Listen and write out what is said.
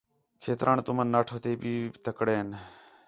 کھیتران تُمن نا ٹھوپے تے بھی تکڑین